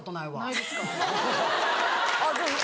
ないですか。